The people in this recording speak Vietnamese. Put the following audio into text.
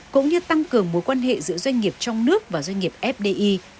cũng như tăng cường mối quan hệ giữa doanh nghiệp trong nước và doanh nghiệp fdi